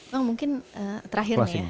bang mungkin terakhir nih ya